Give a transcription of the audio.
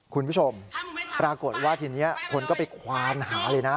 คุณผู้ชมปรากฏว่าทีนี้คนก็ไปควานหาเลยนะ